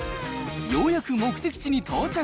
ようやく目的地に到着。